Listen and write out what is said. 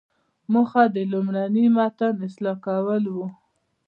موخه د لومړني متن اصلاح کول وو.